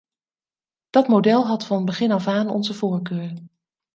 Dat model had van begin af aan onze voorkeur.